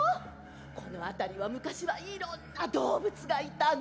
この辺りは昔はいろんな動物がいたの。